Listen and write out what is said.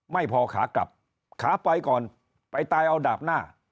ไม่พอขากลับขาไปก่อนไปตายเอาดาบหน้า